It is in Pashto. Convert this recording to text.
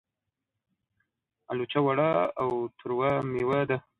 الوچه وړه او تروه مېوه ده.